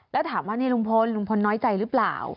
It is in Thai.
แล้วถามว่าลุงพลน้อยใจรึเปล่า